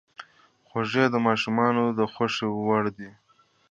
خوږې د ماشومانو د خوښې وړ دي.